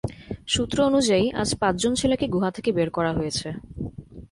সূত্র অনুযায়ী আজ পাঁচজন ছেলেকে গুহা থেকে বের করা হয়েছে।